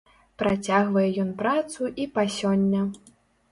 Працягвае ён працу і па сёння.